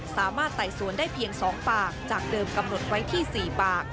ไต่สวนได้เพียง๒ปากจากเดิมกำหนดไว้ที่๔ปาก